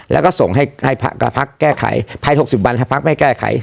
แล้วก็ส่งให้กับพักแก้ไขภาย๖๐วันถ้าพักไม่แก้ไข